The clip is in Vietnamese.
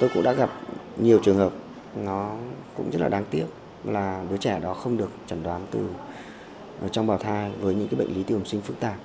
tôi cũng đã gặp nhiều trường hợp nó cũng rất là đáng tiếc là đứa trẻ đó không được chẩn đoán từ trong bào thai với những bệnh lý tiêu hồng sinh phức tạp